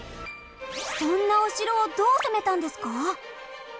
そんなお城をどう攻めたんですか？